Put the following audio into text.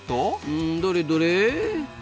うんどれどれ？